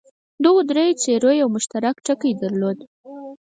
دغو دریو څېرو یو مشترک ټکی درلود.